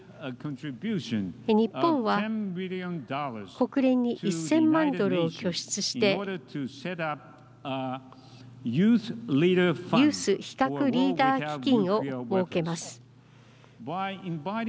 日本は、国連に１０００万ドルを拠出してユース非核リーダー基金を設けます。